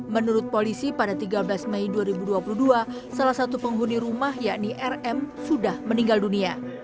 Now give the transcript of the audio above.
menurut polisi pada tiga belas mei dua ribu dua puluh dua salah satu penghuni rumah yakni rm sudah meninggal dunia